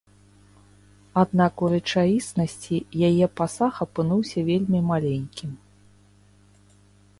Аднак у рэчаіснасці яе пасаг апынуўся вельмі маленькім.